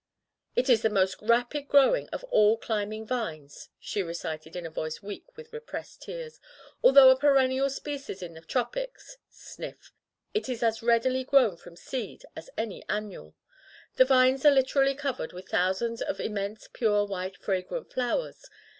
"It is rfie most rapid growing of all climbing vines/' she recited in a voice weak with repressed tears. "Although a perennial species in the tropics, it is as readily grown from seed as any annual. The vines are literally covered with thousands of im mense, pure white, fragrant flowers.